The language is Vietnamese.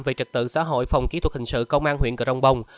về trật tự xã hội phòng kỹ thuật hình sự công an huyện cờ rồng bồng